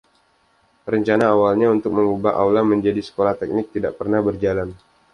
Rencana awalnya untuk mengubah aula menjadi sekolah teknik tidak pernah berjalan.